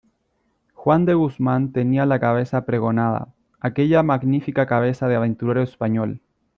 juan de Guzmán tenía la cabeza pregonada, aquella magnífica cabeza de aventurero español.